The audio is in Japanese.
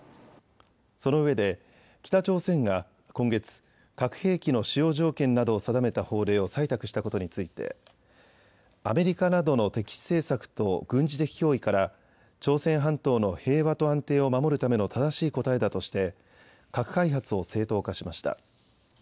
そのうえで北朝鮮が今月、核兵器の使用条件などを定めた法令を採択したことについてアメリカなどの敵視政策と軍事的脅威から朝鮮半島の平和と安定を守るための正しい答えだとして核開発を正当化しました。